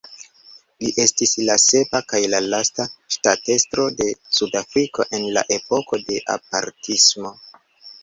Li estis la sepa kaj lasta ŝtatestro de Sudafriko en la epoko de apartismo.